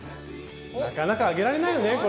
なかなか上げられないよね